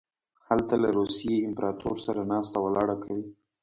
هلته له روسیې امپراطور سره ناسته ولاړه کوي.